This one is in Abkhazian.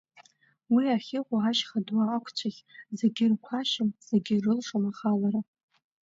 Уи ахьыҟоу ашьха ду ақәцәахь зегьы ирқәашьым, зегьы ирылшом ахалара.